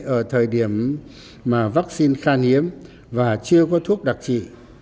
ở thời điểm mà vắc xin khan hiếm và chưa có thuốc đặc trị